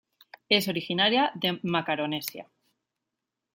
Es originaria de Macaronesia.